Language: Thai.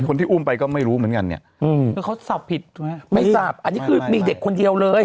คนที่อุ้มไปก็ไม่รู้เหมือนกันเนี่ยอืมคือเขาสอบผิดถูกไหมไม่ทราบอันนี้คือมีเด็กคนเดียวเลย